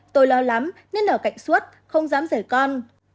tôi lo lắm nên ở cạnh suốt không dám rẻ con